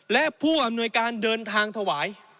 และผู้อำนวยการเดินทางถวาย